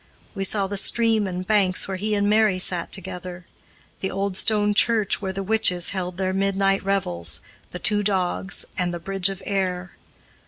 We saw the stream and banks where he and Mary sat together, the old stone church where the witches held their midnight revels, the two dogs, and the bridge of Ayr.